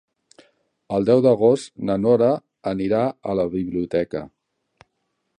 El deu d'agost na Nora anirà a la biblioteca.